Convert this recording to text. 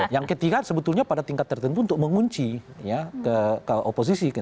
yang ketiga sebetulnya pada tingkat tertentu untuk mengunci ke oposisi